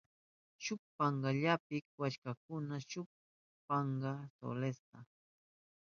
Shuk pankallapi kuwashkakuna shuk pachak solesta.